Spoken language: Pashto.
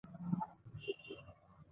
ایا زه باید د جاغور عملیات وکړم؟